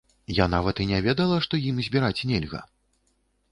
Я нават і не ведала, што ім збіраць нельга!